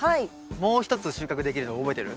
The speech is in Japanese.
もう一つ収穫できるの覚えてる？